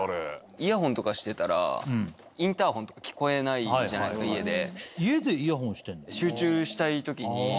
イヤホンとかしてたらインターホンとか聞こえないじゃないですか家で。